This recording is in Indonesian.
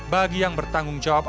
bagi yang bertanggung jawab